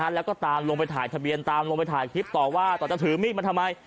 แล้วก็ตามลงไปถ่ายทะเบียนตามลงไปถ่ายคลิปต่อว่าต่อจะถือมีดมาทำไม